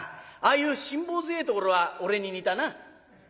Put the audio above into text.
ああいう辛抱強えところは俺に似たな」。